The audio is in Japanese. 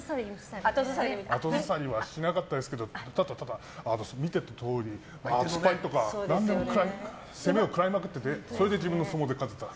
後ずさりはしなかったですけどただただ、見てたとおり突っ張りとか何でも攻めを食らいまくっててそれで自分の相撲で勝てた。